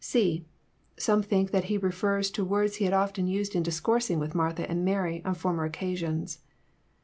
(c) Some think that He refers to words He had often used in discoursing with Martha and Mary, on former occasions.